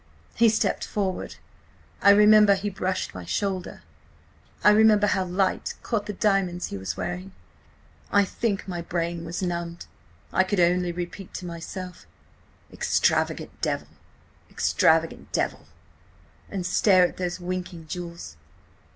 He stepped forward. I remember he brushed my shoulder. I remember how the light caught the diamonds he was wearing. I think my brain was numbed. I could only repeat to myself: 'Extravagant Devil! Extravagant Devil!' and stare at those winking jewels.